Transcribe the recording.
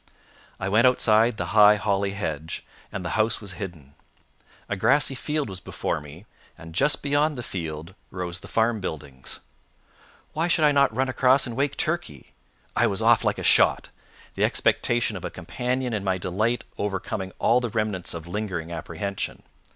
I went outside the high holly hedge, and the house was hidden. A grassy field was before me, and just beyond the field rose the farm buildings. Why should not I run across and wake Turkey? I was off like a shot, the expectation of a companion in my delight overcoming all the remnants of lingering apprehension.